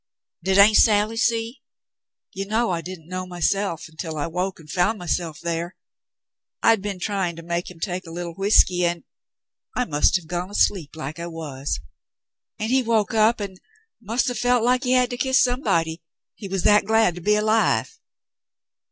Did Aunt Sally see .^ You know I didn't know myself until I woke and found myself there. I'd been trying to make him take a little whiskey — and — I must have gone asleep like I was — and he woke up and must 'a' felt like he had to kiss somebody — he was that glad to be alive."